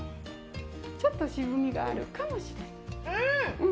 ちょっと渋みがあるかもしれない。